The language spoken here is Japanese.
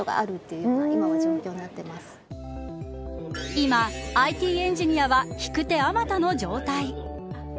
今、ＩＴエンジニアは引く手あまたの状態。